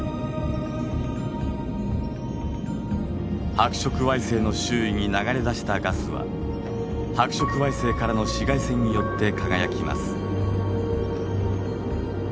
白色矮星の周囲に流れ出したガスは白色矮星からの紫外線によって輝きます。